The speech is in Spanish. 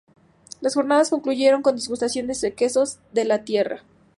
Las jornadas concluyeron con degustación de quesos de la tierra.